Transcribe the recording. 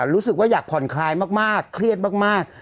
รู้สึกว่าอยากผ่อนคลายมากเครียดมาก